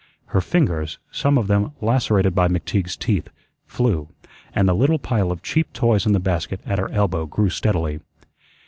Her fingers some of them lacerated by McTeague's teeth flew, and the little pile of cheap toys in the basket at her elbow grew steadily.